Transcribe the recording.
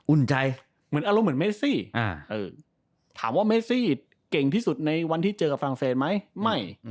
อุ่นใจเหมือนอารมณ์เหมือนเมซี่ถามว่าเมซี่เก่งที่สุดในวันที่เจอกับฝรั่งเศสไหมไม่